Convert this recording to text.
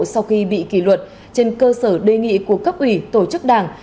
sau khi bị kỳ luật trên cơ sở đề nghị của các ủy tổ chức đảng